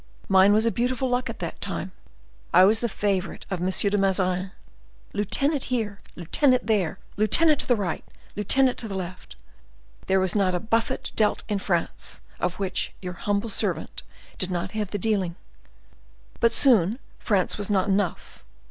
Mine was a beautiful luck at that time. I was the favorite of M. de Mazarin. Lieutenant here! lieutenant there! lieutenant to the right! lieutenant to the left! There was not a buffet dealt in France, of which your humble servant did not have the dealing; but soon France was not enough.